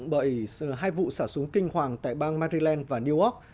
bởi hai vụ xả súng kinh hoàng tại bang maryland và new york